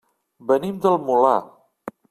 Venim del Molar.